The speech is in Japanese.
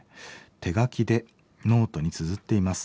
「手書きでノートにつづっています。